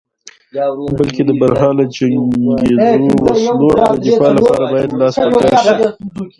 بلکې د برحاله جنګیزو وسلو د دفاع لپاره باید لاس په کار شې.